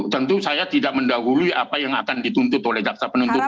tentu saya tidak mendahului apa yang akan dituntut oleh jaksa penuntut umum